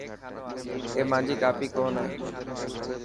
اي مانجي ڪاپي ڪون هي.